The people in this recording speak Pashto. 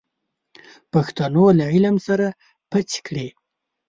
پښتنو له عليم سره پڅې کړې.